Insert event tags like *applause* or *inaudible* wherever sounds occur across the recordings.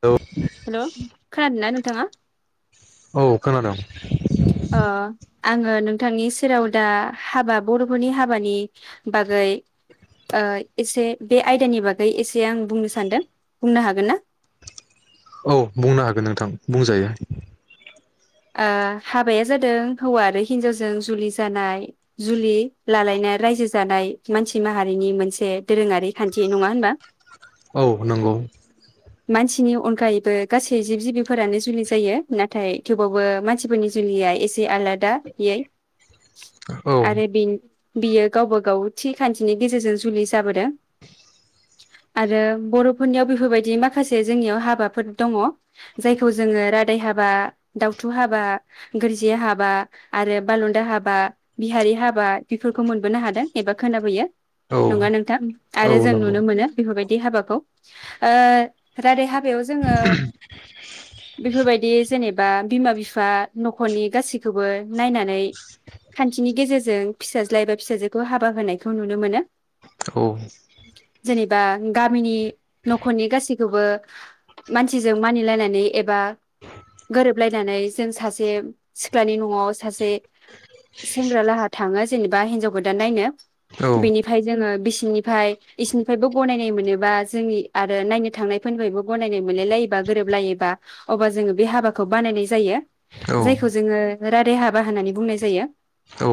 औ हेलौ खोनादोंना नों थाङा औ खोनादों ओ आङो नोंथांनि सेराव दा हाबा बर'फोरनि हाबानि बागै ओ एसे बे आयदानि बागै एसे आं बुंनो सानदों बुंनो हागोन ना? औ बुंनो हागोन नोंथां बुंजायो। ओ हाबाया जादों हौवा आरो हिनजावजों जुलि जानाय जुलि लालायनाय रायजो जानाय मानसि माहारिनि मोनसे दोरोङारि खान्थि नङा होनबा औ नंगौ मानसिनि अनगायैबो गासै जिब जिबिफोरानो जुलि जायो नाथाय थेवबाबो मानसिफोरनि जुलिया एसे आलादायै औ आरो बे बियो गावबा गाव थि खान्थिनि गेजेरजों जुलि जाबोदों आरो बर'फोरनियाव बेफोरबायदि माखासे जोंनियाव हाबाफोर दङ जायखौ जोङो रादाय हाबा दउथु हाबा गोरजिया हाबा आरो बालन्दा हाबा बिहारि हाबा बेफोरखौ मोनबोनो हादों एबा खोनाबोयो औ नङा नोंथां औ आरो जों नंगौ नुनो मोनो बेफोरबाय दि हाबाखौ ओ रादाय हा बायाव जोङो बेफोरबायदि जेनेबा बा बिमा बिफा न'खरनि गासैखौबो नायनानै खान्थिनि गेजेरजों फिसाज्ला एबा फिसाजोखौ हाबा होनायखौ नुनो मोनो। औ बा गामिनि न'खरनि गासैखौबो मानसिजों मानिलायनानै एब बा लायनानै जों सासे सिख्लानि न'आव सासे सेंग्रा लाहा थाङो जेनेबा हिनजाव गोदान नायनो औ बिनिफ्राय जोङो बिसिनिफाय बिसिनिफायबो गनायनाय मोनोबा जोंनि आरो नायनो थांनाय फोरनिबो गनायनाय मोनलायलायोबा गोरोबलायोबा अबा जों बे हाबाखौ खौ बानायनाय जायो औ जायखौ जोङो रादाय हाबा होननानै बुंनाय जायो। औ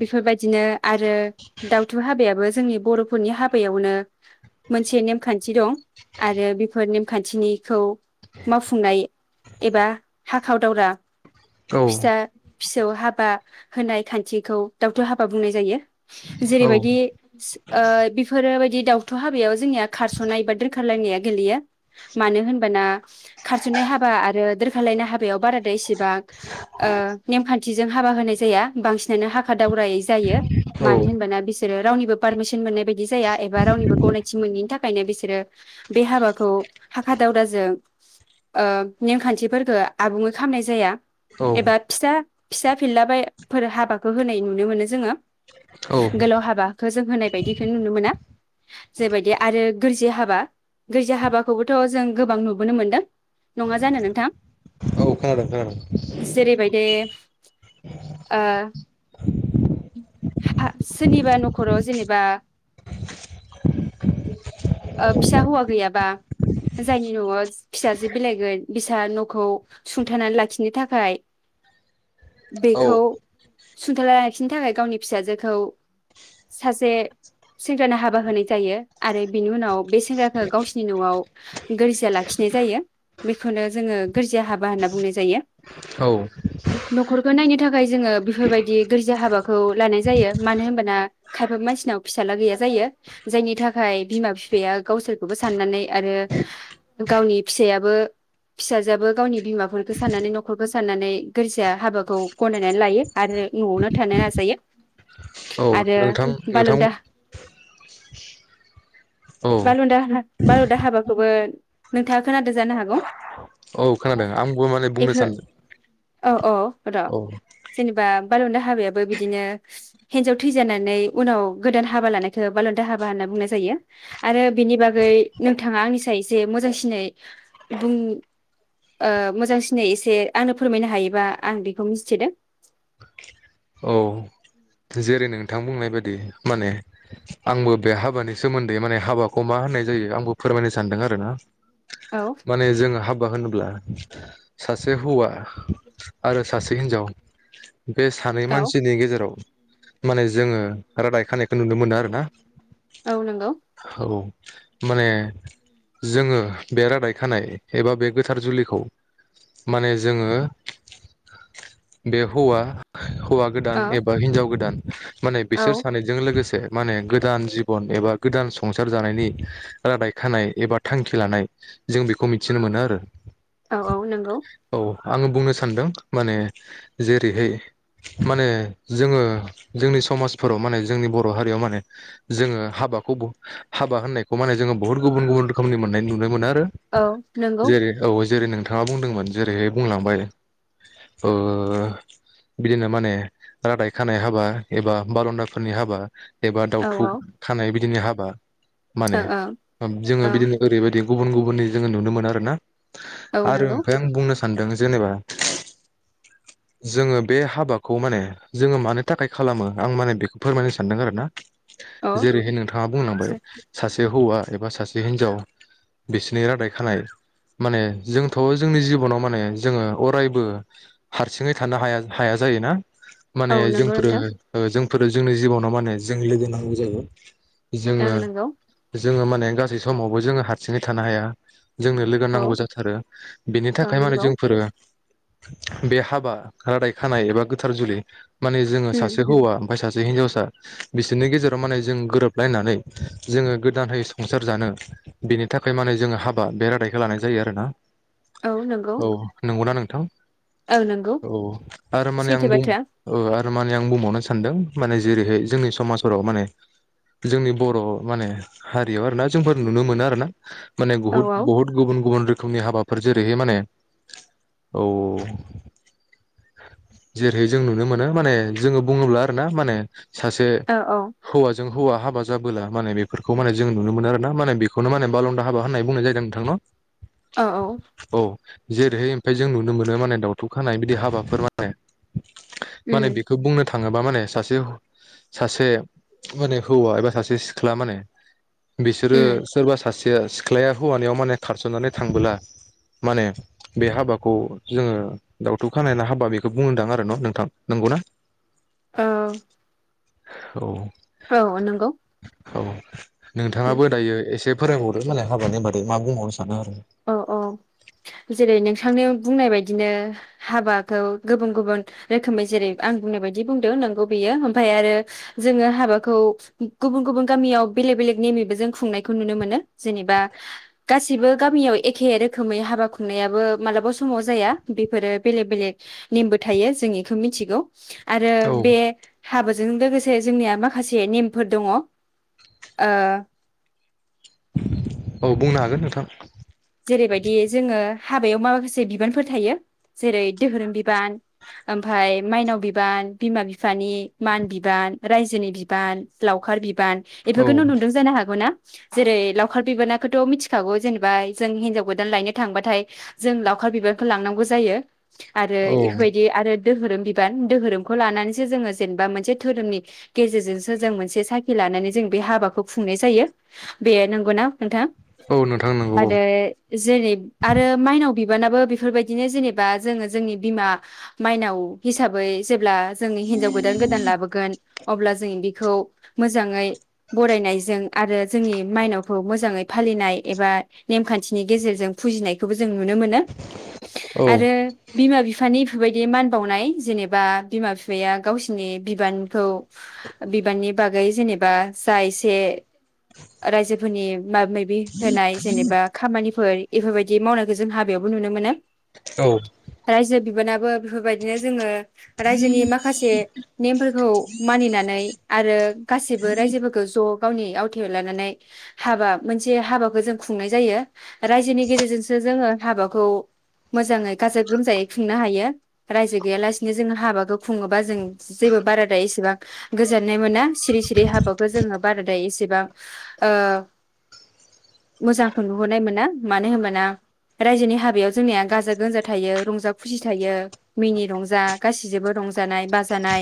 बेफोरबायदिनो आरो दावथु हाबायाबो जोंनि बर'फोरनि हाबायावनो मोनसे नेमखान्थि दं आरो बेफोर नेमखान्थिनिखौ मावफुंनाय एबा हाखाव दावरा औ फिथा फिसौ हाबा होनाय खान्थिखौ दावथु हाबा बुंनाय जायो । खोनादों जेरैबायदि ओ बेफोरबायदि दावथु हाबायाव जोंनिया खारस'नाय एबा दोरखारलायनाया गोलैयो मानो होनबाना खारस'नाय हाबा आ रो दोरखारलायनाय हाबायाव बाराद्राय एसेबां ओ नेमखान्थिजों हाबा होनाय जाया बांसिनानो हाखा दावरायै जायो मानो होनबाना बिसोरो रावनिबो पारमिसन मोननाय बायदि जाया एबा रावनिबो गनायथि मोनैनि थाखायनो बिसोरो बे हाबाखौ हाखा दावराजों ओ नेमखान्थिफोरखौ आबुङै खालामामनाय जाया एबा फिसा फिसा फिनला बेफोर हाबाखौ होनाय नुनो मोनो जोङो ।गोलाव हाबाखौ जों होनाय बायदिखौ नुनो मोना जेबायदि आरो गोर्जिया हाबा गोर्जिया हाबाखौबोथ' जों गोबां नुबोनो मोनदों। नङा जानो नोंथां खोनादों जेरैबायदि ओ हा सोरनिबा न'खराव जेनेबा ओ फिसा हौवा गैयाबा जायनि न'आव फिसाजो बिलाइगोन बिसा न'खौ सुंथानानै लाखिनो थाखाय बेखौ सुंथा लाखिनो थाखाय गावनि फिसाजोखौ सासे सेंग्रानो हाबा होनाय जायो आरो बेनि उनाव बे सेंग्राखौ गावसिनि न'आव गोरजिया लाखिनाय जायो। बेखौनो जोङो गोरजिया हाबा होनना बुंनाय जायो औ न'खरखौ नायनो थाखाय जोङो बेफोरबायदि गोरजि हाबाखौ लानाय जायो मानो होनबोना खायफा मानसिनाव फिसाला गैया जायो जायनि थाखाय बिमा बिफाया गावसोरखौबो साननानै आरो गावनि फिसायाबो फिसाजोआबो गावनि बिमाफोरफोरखौ साननानै न'खरखौ साननानै गोरजिया हाबाखौ गनायनानै लायो आरो न'आवनो थानो नाजायो औ आरो नोंथां नोंथां बालन्दा औ बालन्दा बालन्दा हाबाखौबो नोंथाङा खोनादों जानो हागौ। औ खोनादों आंबो माने बुंनो बेखौ सान औ औ। र' जेनबा बालन्दा हाबायाबो बिदिनो हिनजाव थैजानानै उनाव गोदान हाबा लानायखौ बालन्दा हाबा होनना बुंनाय जायो ।आरो बिनि बागै नोंथाङा आंनिसाय एसे मोजांसिनै बुं ओ मोजांसिन एसे आंनो फोरमायनो हायोबा आं बेखौ मिजिंथिदों। औ जेरै नोंथां बुंनाय बायदि माने आंबो बे हाबानि सोमोन्दै माने हाबाखौ मा होननाय जायो आंबो फोरमायनो सानदों आरो ना। औ माने जोङो हाबा होनोब्ला सासे हौवा आरो सासे हिनजाव बे सानै औ मानसिनि गेजेराव माने जोङो रादाय खानायखौ नुनो मोनो आरो ना। औ नंगौ। औ माने जोङो बे रादाय खानाय एबा बे गोथार जुलिखौ माने जोङो बे हौवा हौवा गोदान औ एबा हिनजाव गो दान माने बिसोर औ सानैजों लोगोसे माने गोदान जिबन एबा गोदान संसार जानायनि रादाय खानाय एबा थांखि लानाय जों बेखौ मिथिनो मोनो आरो। औ औ नंगौ। औ आङो बुंनो सानदों माने जेरैहाय माने जोङो जोंनि समाजफोराव माने जोंनि बर' हारियाव माने जोङो हाबाखौ ब हाबा होननायखौ माने जोङो बुहुत गुबुन गुबुन रोखोमनि मोननाय नुनो मोनो आ रो। औ नंगौ जेरै औ जेरै नों थाङा बुंदोंमोन जेरैहाय बुंलांबाय ओ बिदिनो माने रादाय खानाय हाबा एबा बालन्दाफोरनि हाबा एबा औ दाउथु खानाय बिदिनो हाब बा माने ओ जोङो औ बिदिनो ओरैबायदि गुबुन गुबुननि जोङो नुनो मोनो आरो ना। औ आरो नंगौ ओमफ्राय आं बुंनो सानदों जेनेबा जोङो बे हाबाखौ माने जोङो मानो थाखाय खालामो आं माने बेखौ फोरमायनो सानदों आरो ना। अ जेरैहाय नोंथाङा बुंलांबाय सासे सासे हौवा एबा सासे हिनजाव बिसोरनि रादाय खानाय। माने जोंथ' जोंनि जिब'नाव माने जोङो अरायबो हारसिङै थानो हाया हाया जायोना औ माने जों नंगौ नोंथां *unintelligible* जों फोर जोंनि जिब'नाव माने जों लोगो नांगौ जायो जोङो ओं नोंगौ जोङो माने गासै समावबो जोंङो हारसिङै थानो हाया। जोंनो लोगो औ नांगौ जाथारो बेनि औ थाखाय माने नंगौ जोंफोरो बे हाबा रादाय खानाय एबा गोथार जुलि माने जो उम सासे हौवा आमफाय सासे जे हिनजावसा बिसोरनि गेजेराव माने जों गोरोबलायनानै जोंङो गोदानहै संसार जानो बिनि थाखाय माने जोंङो हाबा बे रादायखौ लानाय जायो आरो ना। औ नंगौ औ नंगौना नों थां औ नंगौ औ आरो माने आं सैथो बुं बाथ्रा माने आं बुंबावनो सानदों माने जेरैहाय जोंनि समाजफोराव माने जोंनि बर माने हारियाव आरोना जोंफोर नुनो मोनो आरो ना। माने औ बुहुत बुहुत गुबुन गुबुन रो खोमनि हाबाफोर जेरैहाय माने औ जेरैहाय जों नुनो मोनो माने जोंङो बुंङोब्ला आरो ना माने सासे औ औ हौवाजों हौवा हाबा जाबोला माने बेफोरखौ माने जों नुनो मोनो आरो ना माने बेखौनो माने बालनदा हाबा होननाय बुंनाय जादों नोंथां न' औ औ जेरैहाय ओमफाय जों नुनो मोनो माने दाउथु खानाय बिदि हाबाफोर माने माने उम बेखौ बुंनो थाङोबा माने सासे सासे माने हौवा एबा सासे सिख्ला माने बिसोरो उम सोरबा सासे सिख्लाया हौवानियाव माने खारसननानै थांबोला माने बे हाबाखौ जोंङो दावथु खानायना हाबा बेखौ बुङोदां आरो न नोंथां नंगौना औ औ औ नंगौ औ नोंथांङाबो दायो एसे *unintelligible* मालाय हाबानि बादै मा बुंबावनो सानो आरो औ औ जेरै नोंथांनि बुंनाय बायदिनो हाबाखौ गुबुन गुबुन रोखोमै जेरै आं बुंनाय बादि बुंदों नंगौ बेयो ओमफ्राय आरो जोंङो हाबाखौ गुबुन गुबुन गामियाव बेलेग बेलेग नेमिबो जों खुंनायखौ नुनो मोनो जेनेबा गासिबो गामियाव एखे रोखोमै हाबा खुंनायाबो मालाबा समाव जाया बेफोरो बेलेग बेलेग नेमबो थायो जों बेखौ मिथिगौ आरो औ बे हाबो बेजों लोगोसे जोंनिया माखासे नेमफोर दंङ औ बुंनो हागोन नोंथां जेरैबायदि जोङो हाबायाव माखासे बिबानफोर थायो जेरै दोहोरोम बिबान ओमफ्राय माइनाव बिबान बिमा बिफानि मान बिबान रायजोनि बिबान लावखार बिब बिबान औ इफोरखौनो नुदों जानो हागौ ना जेरै लावखार बिबाना खौथ मिथिखागौ जेनेबा जों हिनजाव गोदान लायनो थांबाथाय जों लावखार बिबानखौ लांनांगौ जायो आरो औ इफोरबायदि आरो दोहोरोम बिबान दोहोरोमखौ लानानैसो जोङो जेनेबा मोनसे धोरोमनि गेजेरजोंसो जों मोनसे साखि लानानै जों बे हाबाखौ खुंनाय जायो बे नंगौना नोंथां औ नोंथां नंगौ आरो जेरै आरो माइनाव बिबानाबो बेफोरबायदिनो जेनेबा जोङो जोंनि बिमा माइनाव हिसाबै जो ब्ला जोंनि हिनजाव गोदान गोदान लाबोगोन अब्ला जों बेखौ मोजाङै बरायनायजों आरो जोंनि माइनावखौ मोजाङै फालिनाय एबा नेम खानथिनि गेजेरजों फुजिनायखौबो जों नुनो मोनो औ आरो बिमा बिफानि बेफोरबायदि मान बावनाय जेनेबा बिमा बिफाया गावसिनि बिबानखौ बिबाननि बागै जेनेबा जा एसे राइजो *unintelligible* माबा माबि होनाय जेनेबा खामानिफोर इफोरबायदि मावनायखौ जों हाबायावबो नुनो मोनो औ रायजो बिबानाब बो बेफोरबायदिनो जोङो रायजोनि माखासे नेमफोरखौ मानिनानै आरो गासिबो रायजोफोरखौ ज' गावनि आवथायाव लानानै हाबा मोनसे हाबाखौ जों खुंनाय जायो रायजोनि गेजेरजोंसो जोङो हाबाखौ मोजाङै गाजा गोमजायै खुंनो हायो रायजो गैयालासिनो जोङो हाबाखौ खुङोबा जों जेबो बाराद्राय एसेबां गोजोननाय मोना सिरि सिरि हाबाखौ जोङो बाराद्राय एसेबां ओ मोजांखौ नुहरनाय मोना मानो होनबाना रायजोनि हाबायाव जोंनिया गाजा गोमजा थायो रंजा खुसि थायो मिनि रंजा गासैजोंबो रंजानाय बाजानाय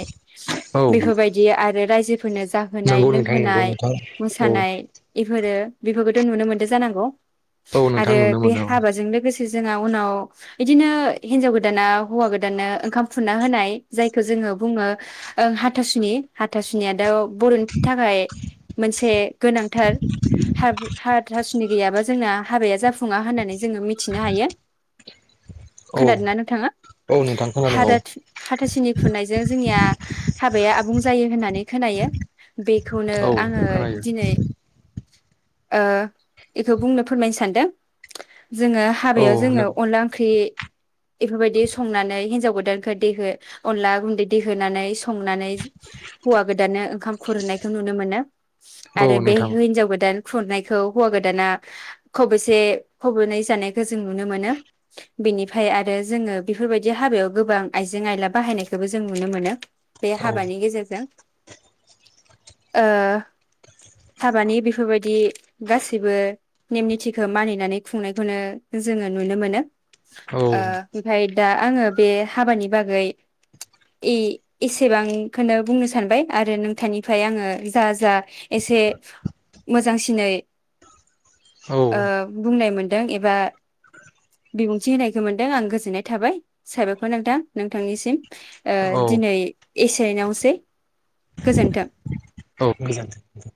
औ बेफोरबायदि आरो रायजोफो फोरनो जाहोनाय नंगौ नोंथां नंगौ लोंहोनाय नोंथां औ मोसानाय एफोरो बेफोरखौथ' नुनो मोन जानांगौ औ आरो नोंथां नुनो बे मोनो हाबाजों लोगोसे जोंहा उनाव इदिनो हिनजाव गोदाना हौवा गोदाननो ओंखाम खुरना होनाय जायखौ जोङो बुङो ओ हाथासुनि हाथासुनिया द' बर'नि थाखाय मोनसे गोनांथार हायब हायब तासुनि गैयाबा जोंना हाबाया जाफुङा होननानै जोङो मिथिनो हायो औ खोनादों ना नोंथाङा औ नोंथां खोनादों औ हादादस हाथासुनि खुननायजों जोंनिया हाबाया आबुं जायो होननानै खोनायो बेखौनो औ आङो खोनायो दिनै ओ बेखौ बुंनो फोरमायनो सानदों जोङो औ हाबायाव जोङो अनला ओंख्रि इफोरबायदि संनानै हिनजाव गोदानखौ देहो अनला गुन्दै देहोनै संनानै हौवा गोदाननो ओंखाम खुरहोनायखौ नुनो मोनो। औ आरो बे नोंथां हिनजाव गोदान खुरनायखौ हौवा गोदाना खबेसे खब'नै जानायखौ जों नुनो मोनो। बेनिफ्राय आरो जोङो बेफोरबायदि हाबायाव गोबां आइजें आयला बाहायनायखौबो जों नुनो मोनो। बे औ हाबानि गेजेरजों ओ हाबानि बेफोरबायदि गासैबो नेम निथिखौ मानिनानै खुंनायखौनो जोङो नुनो मोनो। औ ओ ओमफाय दा आङो बे हाबानि बागै ए-एसेबांखौनो बुंनो सानबाय आरो नोंथांनिफ्राय आङो जा जा एसे मोजांसिनै औ ओ बुंनायमोनद दों एबा बिबुंथि होनायखौ मोनदों आं गोजोननाय थाबाय साबायखर नोंथां नोंथांनिसिम। ओ औ दिनै एसे एनावसै औ गोजोन्थों।